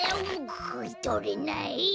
とれない。